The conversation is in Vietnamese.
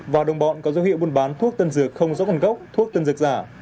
và đồng bọn có dấu hiệu buôn bán thuốc tân dược không rõ nguồn gốc thuốc tân dược giả